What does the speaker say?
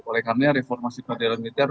oleh karena reformasi peradilan militer